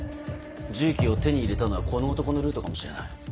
銃器を手に入れたのはこの男のルートかもしれない。